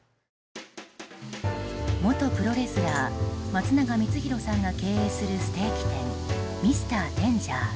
元プロレスラー松永光弘さんが経営するステーキ店Ｍｒ．Ｄａｎｇｅｒ。